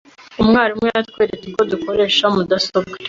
Umwarimu yatweretse uko dukoresha mudasobwa.